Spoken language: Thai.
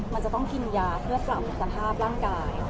มันจะต้องกินยาเพื่อปรับสภาพร่างกาย